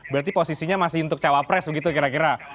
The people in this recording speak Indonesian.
berarti posisinya masih untuk cawapres begitu kira kira